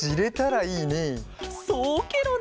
そうケロね！